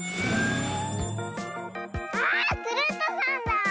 あクルットさんだ！